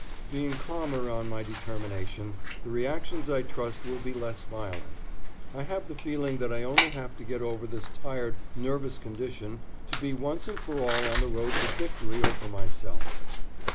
Being calmer on my determination, the reactions I trust will be less violent. I have the feeling that I only have to get over this tired, nervous condition to be once and for all on the road to victory over myself.